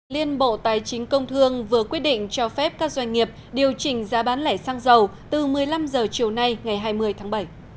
liên bộ tài chính công thương vừa quyết định cho phép các doanh nghiệp điều chỉnh giá bán lẻ xăng dầu từ một mươi năm h chiều nay ngày hai mươi tháng bảy